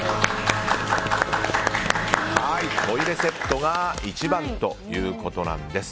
トイレセットが一番ということなんです。